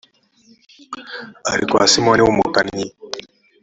ari kwa simoni w umukannyi